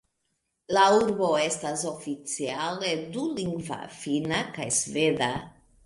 La urbo estas oficiale dulingva, Finna kaj Sveda.